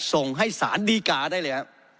ส่งให้สารดีกา